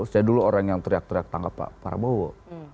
saya dulu orang yang teriak teriak tangkap pak prabowo